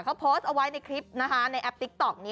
เขาโพสต์เอาไว้ในคลิปนะคะในแอปติ๊กต๊อกนี้